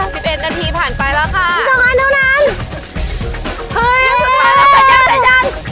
สิบเอ็ดนาทีผ่านไปแล้วค่ะสิบเอ็ดนาทีสุดท้ายแล้วสัญญาณสัญญาณ